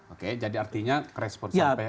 oke jadi artinya kerespon sampai hari ini